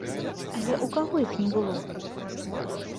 Але ў каго іх не было?